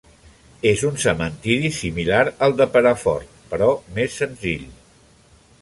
És un cementiri similar al de Perafort, però més senzill.